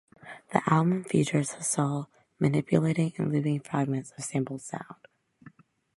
The album features Hassell manipulating and looping fragments of sampled sound.